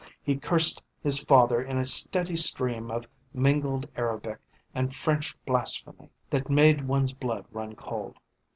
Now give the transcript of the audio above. He cursed his father in a steady stream of mingled Arabic and French blasphemy that made one's blood run cold.